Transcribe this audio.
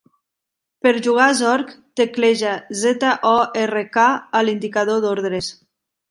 Per jugar a Zork, tecleja "zork" a l'indicador d'ordres.